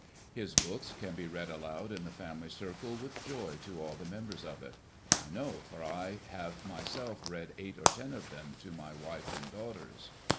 His books can be read aloud in the family circle Avith joy to all the members of it — I know, for T have myself read eight or ten of them to my wife and daughters.